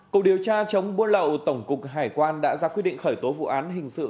cục điều tra chống buôn lậu tổng cục hải quan đã ra quyết định khởi tố vụ án hình sự